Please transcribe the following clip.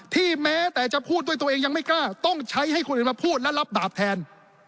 แม้แต่จะพูดด้วยตัวเองยังไม่กล้าต้องใช้ให้คนอื่นมาพูดและรับดาบแทน